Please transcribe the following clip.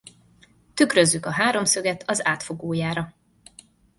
Tükrözzük a háromszöget az átfogójára.